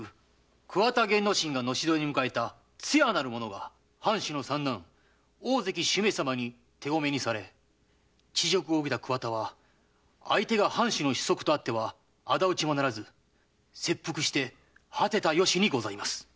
桑田源之進が後添えに迎えた“つや”なる者が藩主の三男・大関主馬様に手籠めにされ恥辱を受けた桑田は相手が藩主の子息とあっては仇討ちもならず切腹して果てたよしにございます。